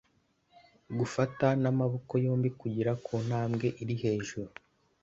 gufata n'amaboko yombi kugera ku ntambwe iri hejuru